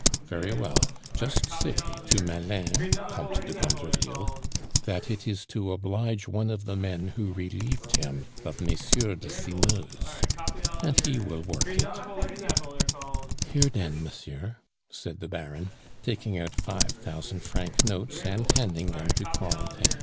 Very well, just say to Malin, Comte de Gondreville, that it is to oblige one of the men who relieved him of MM. de Simeuse, and he will work it " "Here den, mensieur," said the Baron, taking out five thousand franc notes and handing them to Corentin.